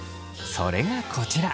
それがこちら。